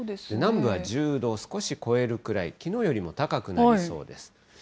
南部は１０度を少し超えるくらい、きのうよりも高くなりそうです。